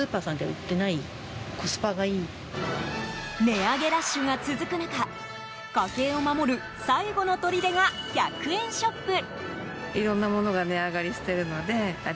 値上げラッシュが続く中家計を守る最後のとりでが１００円ショップ。